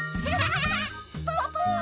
ポッポ！